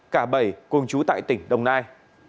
cả bảy công chú tại tỉnh đồng nai